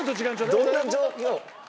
どんな状況？